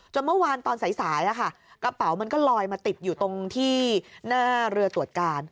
เมื่อวานตอนสายกระเป๋ามันก็ลอยมาติดอยู่ตรงที่หน้าเรือตรวจการ